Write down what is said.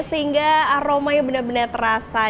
sehingga aroma yang benar benar terasa